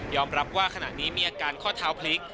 รับว่าขณะนี้มีอาการข้อเท้าพลิก